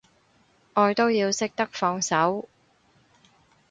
愛都要識得放手